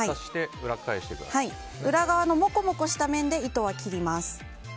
裏側のもこもこした面で糸は切ります。